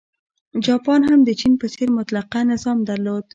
جاپان هم د چین په څېر مطلقه نظام درلود.